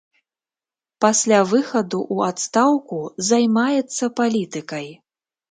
Пасля выхаду ў адстаўку займаецца палітыкай.